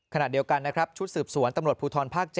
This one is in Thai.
ขณะเดียวกันนะครับชุดสืบสวนตำรวจภูทรภาค๗